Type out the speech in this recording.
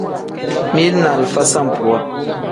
Mili ni alifa sambuwa.